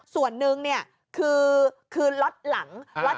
ส่วนหนึ่งคือรถหลัง